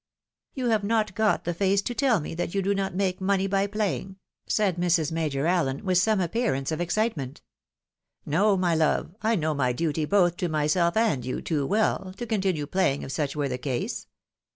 " You have not got the face to tell me, that you do not make money by playing? " said Mrs. Major AHen, with some appear ance of excitemerit. " No, my love ! I know my duty both to myself and you too well, to continue playing if such were the case.